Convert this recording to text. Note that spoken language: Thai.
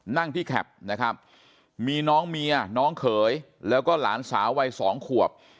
นั่งที่แคปนะครับมีน้องเมียน้องเขยแล้วก็หลานสาววัยสองขวบ